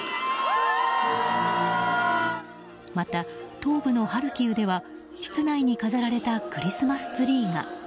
また、東部のハルキウでは室内に飾られたクリスマスツリーが。